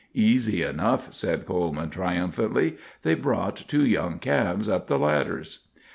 "Easy enough," said Coleman, triumphantly. "They brought two young calves up the ladders."